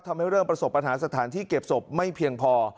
ทำให้เริ่มประสบปัญหาสถานที่เก็บศพไม่เพียงพอ